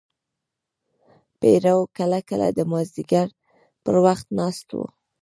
پیرو کله کله د مازدیګر پر وخت ناست و.